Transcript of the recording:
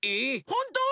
ほんと？